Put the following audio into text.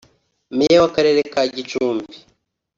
Meya w'akarere ka Gicumbi